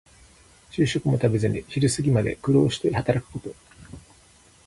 昼食も食べずに昼過ぎまで苦労して働くこと。